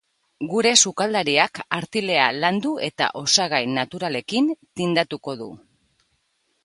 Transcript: Gure sukaldariak artilea landu eta osagai naturalekin tindatuko du.